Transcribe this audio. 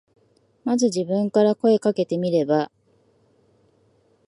まず自分から声かけてみれば。